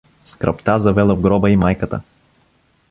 Скръбта завела в гроба и майката.